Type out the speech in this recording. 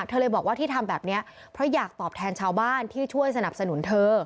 เลยบอกว่าที่ทำแบบนี้เพราะอยากตอบแทนชาวบ้านที่ช่วยสนับสนุนเธอ